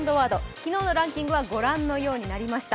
昨日のランキングはご覧のようになりました。